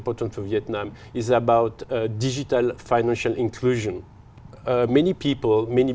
chúng ta giúp giúp các nhà hàng